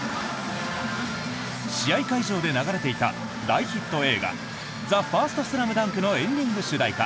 試合会場で流れていた大ヒット映画「ＴＨＥＦＩＲＳＴＳＬＡＭＤＵＮＫ」のエンディング主題歌